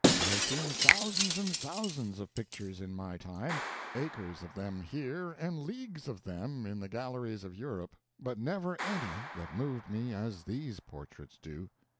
I have seen thousands and thousands of pictures in my time acres of them here and leagues of them in the galleries of Europe but never any that moved me as these portraits do.